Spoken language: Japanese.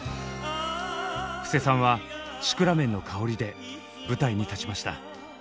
布施さんは「シクラメンのかほり」で舞台に立ちました。